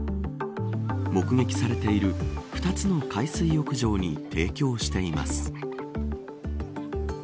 目撃されている２つの海水浴場に提供しています。